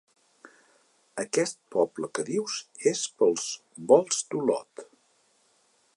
Aquest poble que dius és pels volts d'Olot.